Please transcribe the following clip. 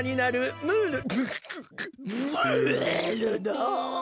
ムールの。